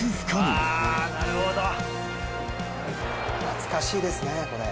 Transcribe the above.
懐かしいですねこれ。